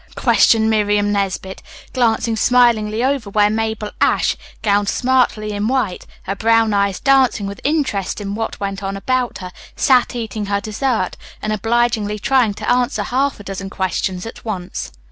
questioned Miriam Nesbit, glancing smilingly over where Mabel Ashe, gowned smartly in white, her brown eyes dancing with interest in what went on about her, sat eating her dessert, and obligingly trying to answer half a dozen questions at once.